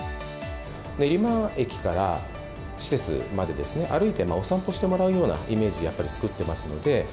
練馬駅から施設まで、歩いてお散歩してもらうようなイメージでやっぱり作ってますので。